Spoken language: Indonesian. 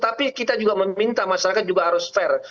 tapi kita juga meminta masyarakat juga harus fair